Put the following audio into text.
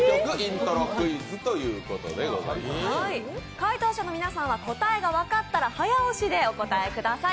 回答者の皆さんは答えが分かったら早押しでお答えください。